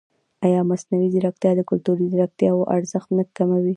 ایا مصنوعي ځیرکتیا د کلتوري ځانګړتیاوو ارزښت نه کموي؟